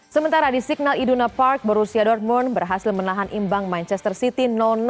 sementara di signal iduna park borussia dortmund berhasil menahan imbang manchester city